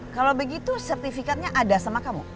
kalau begitu sertifikatnya ada sama kamu